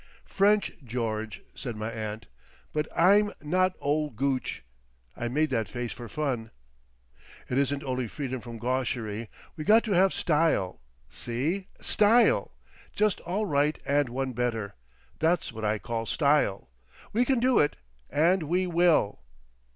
"French, George," said my aunt. "But I'm not ol' Gooch. I made that face for fun." "It isn't only freedom from Gawshery. We got to have Style. See! Style! Just all right and one better. That's what I call Style. We can do it, and we will."